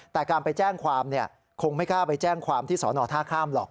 แต่การไปแจ้งความคงไม่กล้าไปแจ้งความที่สอนอท่าข้ามหรอก